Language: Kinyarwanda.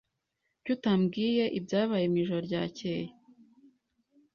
Kuki utabwiye ibyabaye mwijoro ryakeye?